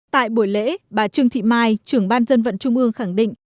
tại buổi lễ bà trương thị mai trưởng ban dân vận trung ương khẳng định